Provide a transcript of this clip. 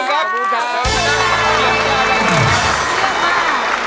ขอบคุณครับ